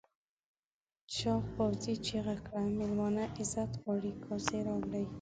چاغ پوځي چیغه کړه مېلمانه عزت غواړي کاسې راوړئ.